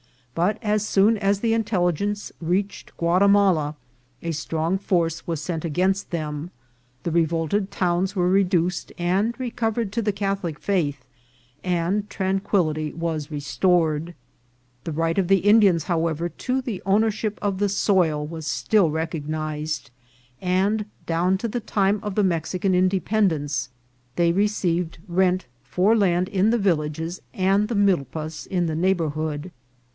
But, as soon as the in telligence reached Guatimala, a strong force was sent against them, the revolted towns were reduced and re covered to the Catholic faith, and tranquillity was re stored. The right of the Indians, however, to the own ership of the soil was still recognised, and down to the time of the Mexican Independence they received rent for land in the villages and the milpas in the neigh bourhood.